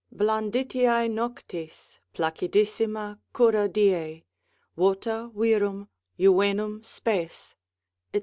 Blanditiae noctis, placidissima cura diei, Vota virum, juvenum spes, &c.